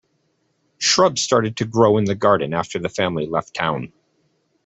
Shrubs started to grow in the garden after that family left town.